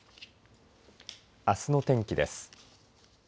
あすの天気です。